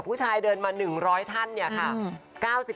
ผู้ชายเดินมา๑๐๐ท่านเนี่ยค่ะ